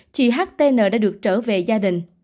chị htn đã được trở về gia đình